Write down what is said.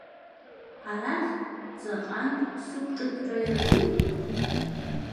Арахь, ҵаҟантә сықәҿыҭра иаҿуп…